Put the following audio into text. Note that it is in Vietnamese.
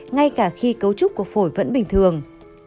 ngay cả khi cấu trúc của phổi vẫn bình thường